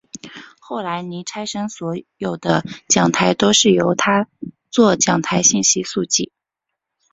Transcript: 后来倪柝声所有的讲台都是由他作讲台信息速记。